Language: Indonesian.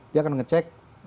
dia akan ngecek